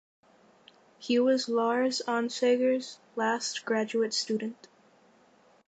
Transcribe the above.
He was Lars Onsager's last graduate student.